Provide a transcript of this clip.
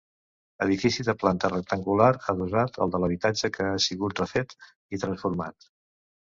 Edifici de planta rectangular adossat al de l'habitatge que ha sigut refet i transformat.